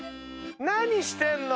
何してんの！